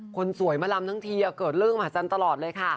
คนสวยมาลำทั้งทีเกิดเรื่องมหาศาลตลอดเลยค่ะ